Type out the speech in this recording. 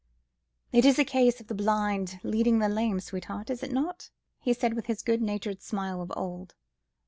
"It is a case of the blind leading the lame, sweetheart, is it not?" he said with his good natured smile of old.